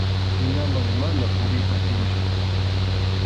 Hinaman mana puriyta atinchu.